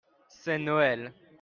c'est Noël.